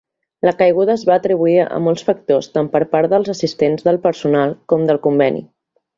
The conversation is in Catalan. La caiguda es va atribuir a molts factors tant per part dels assistents del personal com del conveni.